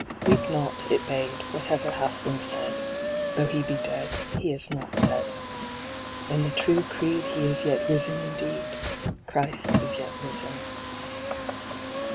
Weep not, it bade, whatever hath been said, Though He be dead, He is not dead. RELIGIOUS POEMS. 105 In the true creed He is yet risen indeed ; Christ is yet risen.